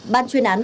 ban chuyên án